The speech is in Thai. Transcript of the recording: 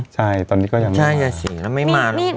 ใช่ตอนนี้ก็ยังไม่มา